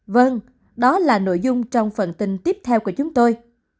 vâng đó là nội dung trong phần tin tiếp theo của chúng tôi